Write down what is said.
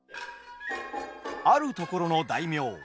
あるところの大名。